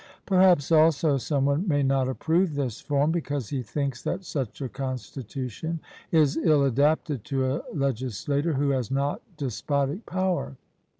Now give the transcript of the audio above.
Perhaps also some one may not approve this form, because he thinks that such a constitution is ill adapted to a legislator who has not despotic power.